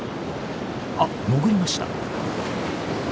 あっ潜りました。